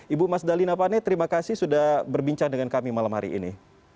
ibu mas dalina pane terima kasih sudah berbincang dengan kami malam hari ini